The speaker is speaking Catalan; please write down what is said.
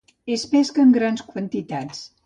Es pesca en grans quantitats.